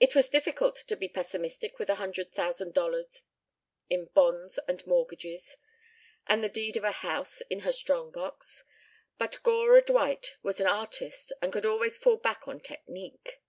It was difficult to be pessimistic with a hundred thousand dollars in bonds and mortgages and the deed of a house in her strong box, but Gora Dwight was an artist and could always fall back on technique.